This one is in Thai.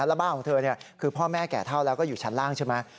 แล้วบ้านของเธอคือพ่อแม่แก่เท่าแล้วก็อยู่ชั้นล่างใช่ไหม